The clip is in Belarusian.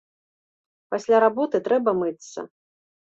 Пасля работы трэба мыцца.